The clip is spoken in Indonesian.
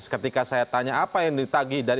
ketika saya tanya apa yang ditagi dari